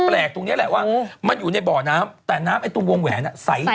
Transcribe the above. แปลกแหละอะไรว่ามันอยู่ใน๔๑